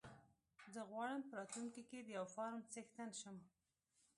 زه غواړم په راتلونکي کې د يو فارم څښتن شم.